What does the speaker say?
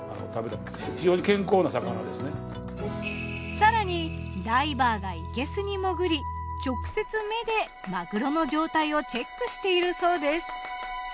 更にダイバーが生けすに潜り直接目でマグロの状態をチェックしているそうです。